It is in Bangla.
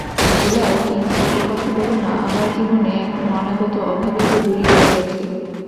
ভোলাও কিন্তু এ-কথা বলো না আমার জীবনে এখনও অনাগত অভাবিত দূরে রয়ে গেছে।